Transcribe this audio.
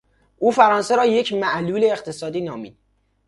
او فرانسه را یک معلول اقتصادی نامید.